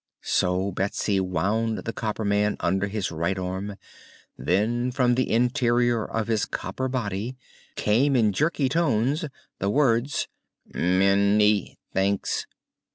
So Betsy wound the copper man under his right arm, and then from the interior of his copper body came in jerky tones the words: "Ma ny thanks!"